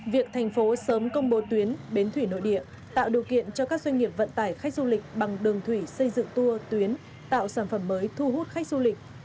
việc thành phố sớm công bố tuyến bến thủy nội địa tạo điều kiện cho các doanh nghiệp vận tải khách du lịch bằng đường thủy xây dựng tour tuyến tạo sản phẩm mới thu hút khách du lịch